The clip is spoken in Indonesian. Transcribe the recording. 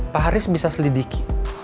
pak haris bisa selidiki